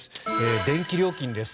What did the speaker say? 電気料金です。